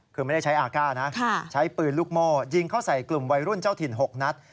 คือไม่ได้ใช้อาก้านะใช้ปืนลูกโม่ยิงเข้าใส่กลุ่มวัยรุ่นเจ้าถิ่น๖นัด